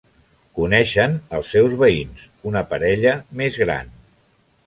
Coneixen els seus veïns, una parella més gran.